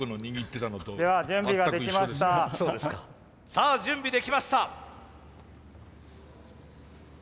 さあ準備できました。